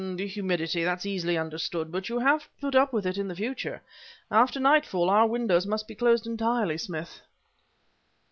"The humidity; that's easily understood. But you'll have to put up with it in the future. After nightfall our windows must be closed entirely, Smith."